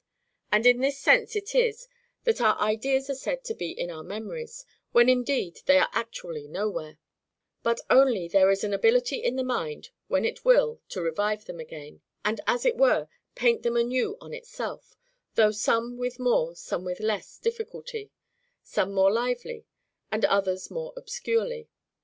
And in this sense it is that our ideas are said to be in our memories, when indeed they are actually nowhere;—but only there is an ability in the mind when it will to revive them again, and as it were paint them anew on itself, though some with more, some with less difficulty; some more lively, and others more obscurely.